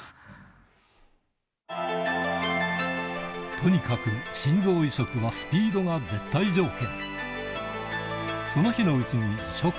とにかく心臓移植はスピードが絶対条件